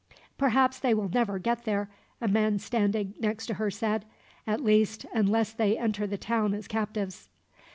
"Perhaps they will never get there," a man standing next to her said. "At least, unless they enter the town as captives.